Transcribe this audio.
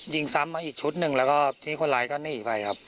ยิงซ้ำมาอีกชุดหนึ่งแล้วก็ที่คนร้ายก็หนีไปครับ